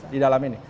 di dalam ini